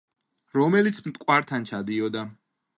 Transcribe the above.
რომელიც მტკვართან ჩადიოდა.